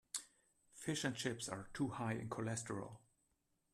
Fish and chips are too high in cholesterol.